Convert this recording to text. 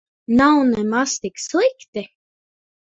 Nav nemaz tik slikti.